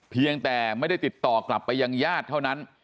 เพียงแต่ไม่ได้ติดต่อกลับไปยังญาติเท่านั้น